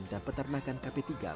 harus banyak yang pintar